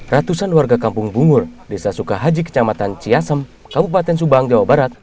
ratusan warga kampung bungur desa sukahaji kecamatan ciasem kabupaten subang jawa barat